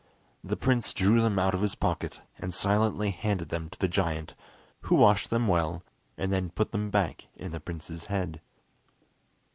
The prince drew them out of his pocket, and silently handed them to the giant, who washed them well, and then put them back in the prince's head.